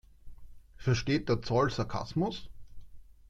Versteht der Zoll Sarkasmus?